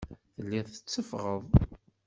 Telliḍ tetteffɣeḍ.